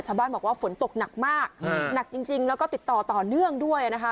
ชาวบ้านบอกว่าฝนตกหนักมากหนักจริงแล้วก็ติดต่อต่อเนื่องด้วยนะคะ